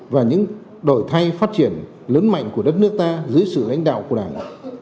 và những đổi thay phát triển lớn mạnh của đất nước ta dưới sự lãnh đạo của đảng